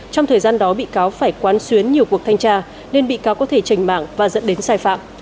trong thời gian đó bị cáo phải quán xuyến nhiều cuộc thanh tra nên bị cáo có thể trành mạng và dẫn đến sai phạm